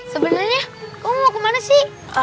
sebenarnya kamu mau kemana sih